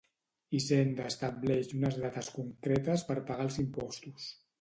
Hisenda estableix unes dates concretes per pagar els impostos.